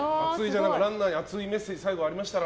ランナーに熱いメッセージありましたら。